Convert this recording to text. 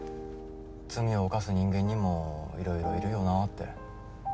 罪を犯す人間にも色々いるよなって